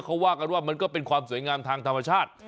เขาว่ากันว่ามันก็เป็นความสวยงามทางธรรมชาติ